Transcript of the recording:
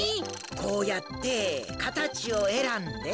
こうやってかたちをえらんで。